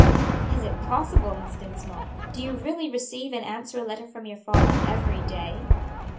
"Is it possible, Miss Dinsmore! do you really receive and answer a letter from your father every day?"